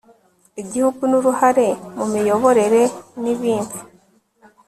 igihugu n' uruhare mu miyoborere n'ibinfi)